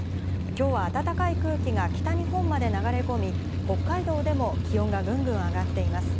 今日は暖かい空気が北日本まで流れ込み、北海道でも気温がぐんぐん上がっています。